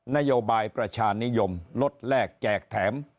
นโยบายประชานิยมลดแรกแจกแถม